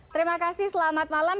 terima kasih selamat malam